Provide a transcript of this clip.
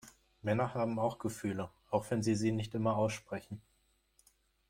Männer haben auch Gefühle, auch wenn sie sie nicht immer aussprechen.